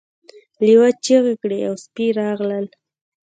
لیوه چیغې کړې او سپي راغلل.